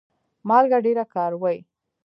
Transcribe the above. مالګه ډیره کاروئ؟